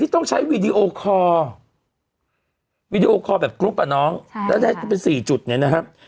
ที่ต้องใช้วีดีโอคอร์แบบกรุ๊ปอ่ะน้องแล้วได้จะเป็นสี่จุดนี้นะครับ